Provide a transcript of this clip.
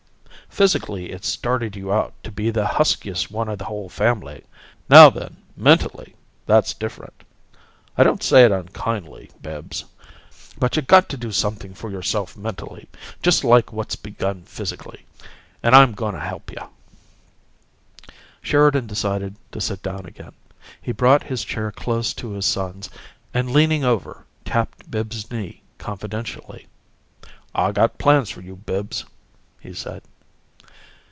Physically, it's started you out to be the huskiest one o' the whole family. Now, then, mentally that's different. I don't say it unkindly, Bibbs, but you got to do something for yourself mentally, just like what's begun physically. And I'm goin' to help you." Sheridan decided to sit down again. He brought his chair close to his son's, and, leaning over, tapped Bibbs's knee confidentially. "I got plans for you, Bibbs," he said.